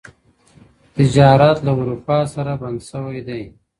تجارت له اروپا سره بند شوی دی.